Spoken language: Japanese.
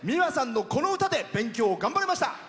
ｍｉｗａさんのこの歌で勉強を頑張れました。